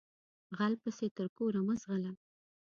غل پسې تر کوره مه ځغلهٔ